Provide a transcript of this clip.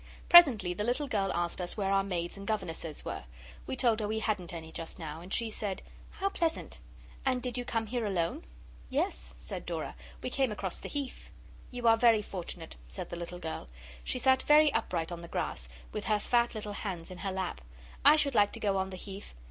Presently the little girl asked us where our maids and governesses were. We told her we hadn't any just now. And she said 'How pleasant! And did you come here alone?' 'Yes,' said Dora; 'we came across the Heath.' 'You are very fortunate,' said the little girl. She sat very upright on the grass, with her fat little hands in her lap. 'I should like to go on the Heath.